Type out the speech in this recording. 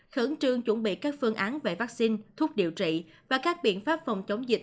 khẩn trương chuẩn bị các phương án về vaccine thuốc điều trị và các biện pháp phòng chống dịch